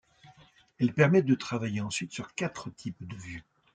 Elles permettent de travailler ensuite sur quatre types de vues.